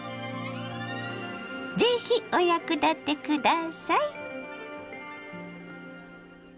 是非お役立て下さい。